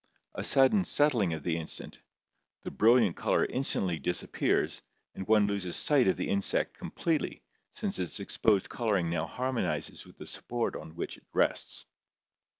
A sudden settling of the insect, the brilliant color instantly disappears, and one loses sight of the insect completely, since its exposed coloring now harmonizes with the support on which it rests.